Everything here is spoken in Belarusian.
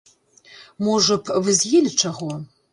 Можа б, вы з'елі чаго?